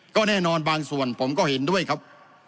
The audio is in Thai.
ก็แน่นอนบางส่วนผมก็เห็นด้วยครับ